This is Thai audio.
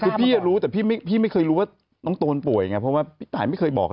คือพี่รู้แต่พี่ไม่เคยรู้ว่าน้องโตนป่วยไงเพราะว่าพี่ตายไม่เคยบอก